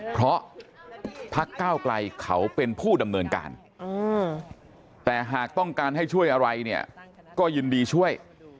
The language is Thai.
เพราะพักก้าวไกลเขาเป็นผู้ดำเนินการแต่หากต้องการให้ช่วยอะไรเนี่ยก็ยินดีช่วย